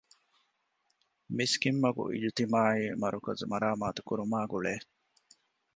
މިސްކިތްމަގު އިޖުތިމާޢީ މަރުކަޒު މަރާމާތު ކުރުމާގުޅޭ